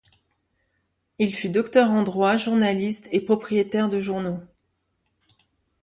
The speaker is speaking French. Il fut docteur en droit, journaliste et propriétaire de journaux.